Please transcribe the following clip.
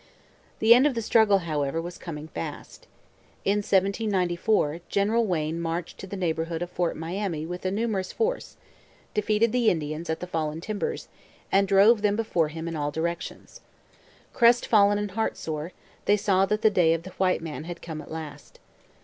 The end of the struggle, however, was coming fast. In 1794 General Wayne marched to the neighbourhood of Fort Miami with a numerous force, defeated the Indians at the Fallen Timbers, and drove them before him in all directions. Crestfallen and heartsore, they saw that the day of the white man had come at last.